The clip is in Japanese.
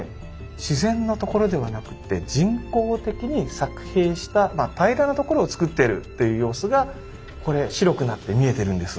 自然のところではなくてまあ平らなところをつくってるっていう様子がこれ白くなって見えてるんです。